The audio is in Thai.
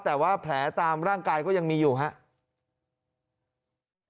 แต่ว่าแผลตามร่างกายก็ยังมีอยู่ครับ